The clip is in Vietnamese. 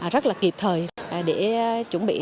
rất là kịp thời để chuẩn bị